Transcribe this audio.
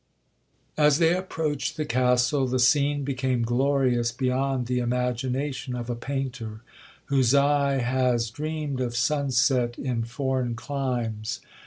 'As they approached the Castle, the scene became glorious beyond the imagination of a painter, whose eye has dreamed of sun set in foreign climes.